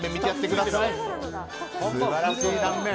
素晴らしい断面！